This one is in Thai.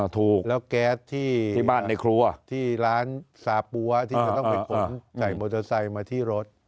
ถูกแล้วแก๊สที่บ้านในครัวที่ร้านซาปั๊วที่จะต้องไปขนใส่มอเตอร์ไซค์มาที่รถ